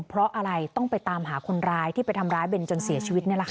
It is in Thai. เพราะอะไรต้องไปตามหาคนร้ายที่ไปทำร้ายเบนจนเสียชีวิตนี่แหละค่ะ